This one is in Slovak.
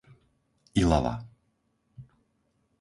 Ilava